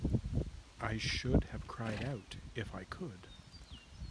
I should have cried out, if I could.